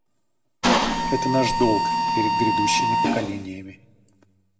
Это наш долг перед грядущими поколениями.